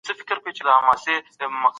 که ټولنيز ملاتړ نه وي ژوند ګران دی.